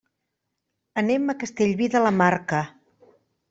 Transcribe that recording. Anem a Castellví de la Marca.